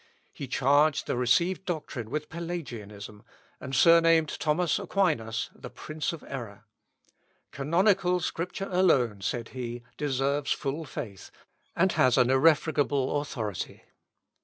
He charged the received doctrine with Pelagianism, and surnamed Thomas Aquinas the "Prince of Error." "Canonical Scripture alone," said he, "deserves full faith, and has an irrefragable authority.